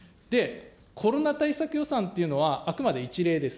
コロナ対策予算というのは、あくまで１例です。